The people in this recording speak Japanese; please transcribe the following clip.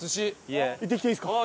行ってきていいですか？